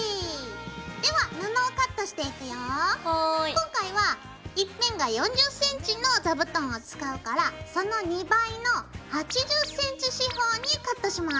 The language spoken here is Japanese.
今回は１辺が４０ｃｍの座布団を使うからその２倍の８０ｃｍ四方にカットします。